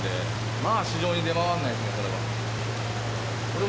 まあ、市場に出回らないですね、これは。